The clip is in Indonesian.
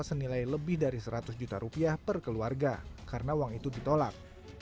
senilai lebih dari seratus juta rupiah per keluarga karena uang itu ditolak